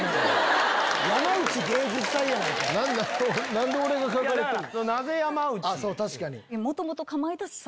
何で俺が描かれてんの？